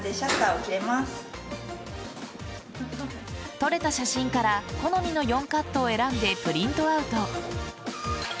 撮れた写真から好みの４カットを選んでプリントアウト。